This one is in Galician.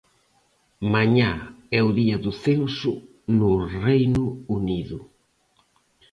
Mañá é o Día do Censo no Reino Unido.